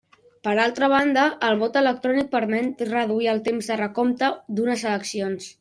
Per altra banda, el vot electrònic permet reduir el temps de recompte d'unes eleccions.